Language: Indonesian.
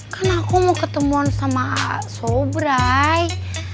kan aku mau ketemuan sama sobrai